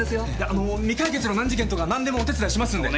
あのー未解決の難事件とか何でもお手伝いしますんで。